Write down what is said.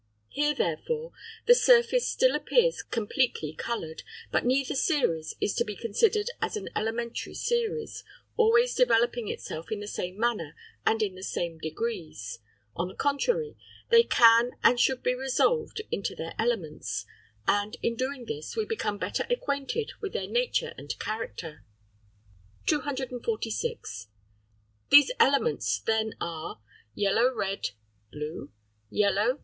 Here, therefore, the surface still appears completely coloured, but neither series is to be considered as an elementary series, always developing itself in the same manner and in the same degrees; on the contrary, they can and should be resolved into their elements; and, in doing this, we become better acquainted with their nature and character. 246. These elements then are (199, 200, 201) Yellow red. Blue. Yellow.